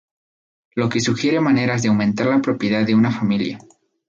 Lo que sugiere maneras de aumentar la propiedad de una familia.